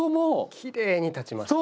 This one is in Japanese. きれいに立ちましたね。